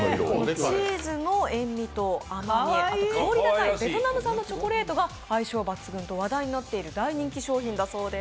チーズの塩みと甘み、そして薫り高いベトナム産のチョコレートが相性抜群と話題になっている大人気商品だそうです。